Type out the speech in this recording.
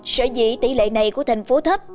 sở dĩ tỉ lệ này của thành phố thấp